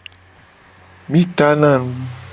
Mi tana nu.